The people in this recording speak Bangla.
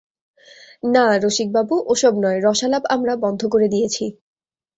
না, রসিকবাবু, ও-সব নয়, রসালাপ আমরা বন্ধ করে দিয়েছি।